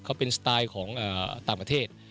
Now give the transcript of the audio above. เขาเป็นสไตล์ของต่างประเทศ